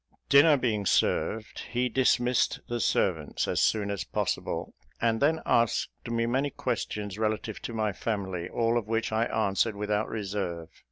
Dinner being served, he dismissed the servants as soon as possible, and then asked me many questions relative to my family, all of which I answered without reserve.